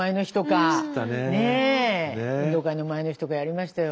運動会の前の日とかやりましたよ。